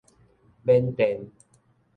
緬甸